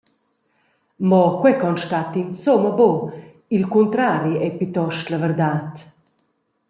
Mo quei constat insumma buca, il cuntrari ei plitost la verdad.